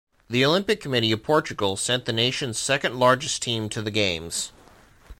The Olympic Committee of Portugal sent the nation's second-largest team to the Games.